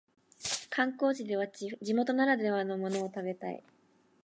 観光地では地元ならではのものを食べたい